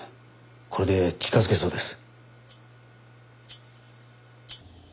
これで近づけそうです。